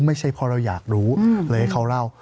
ไม่ใช่เพราะเราอยากรู้เลยให้เขาเล่า